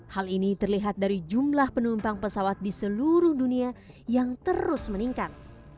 hal ini terlihat dari jumlah penumpang pesawat di seluruh dunia yang terus meningkat